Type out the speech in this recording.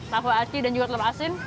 tahu aci dan juga telur asin